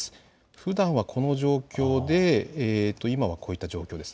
ふだんはこの状況で今はこういった状況です。